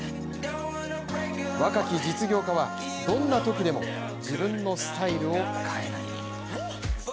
若き実業家は、どんなときでも自分のスタイルを変えない。